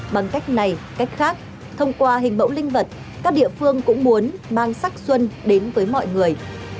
bằng cách này cách khác thông qua hình mẫu linh vật các địa phương cũng muốn mang sắc xuân đến với mọi người